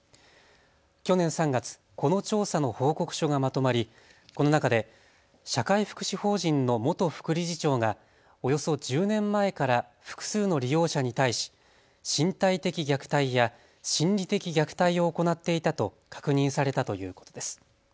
去年３月、この調査の報告書がまとまり、この中で社会福祉法人の元副理事長がおよそ１０年前から複数の利用者に対し身体的虐待や心理的虐待を行っていたと確認されたということです。